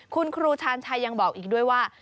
คุณครูชาญชัยยังบอกอีกด้วยว่า